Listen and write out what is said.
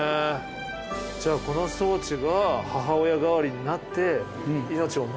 じゃあこの装置が母親代わりになって命を守ってる。